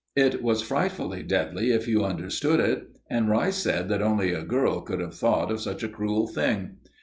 It was frightfully deadly if you understood it, and Rice said that only a girl could have thought of such a cruel thing.